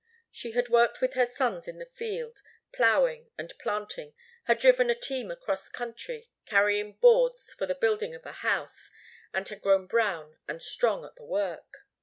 She had worked with her sons in the field, ploughing and planting, had driven a team across country, carrying boards for the building of a house, and had grown brown and strong at the work.